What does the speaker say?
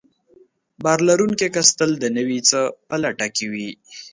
باور لرونکی کس تل د نوي څه په لټه کې وي.